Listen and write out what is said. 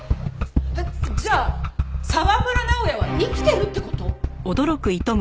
えっじゃあ沢村直哉は生きてるって事！？